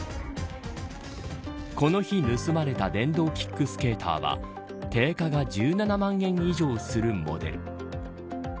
この日、盗まれた電動キックスケーターは定価が１７万円以上するモデル。